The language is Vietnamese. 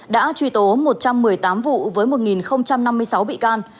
đã truy tố một trăm một mươi tám vụ với một năm mươi sáu bị can